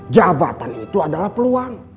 jabatan itu adalah peluang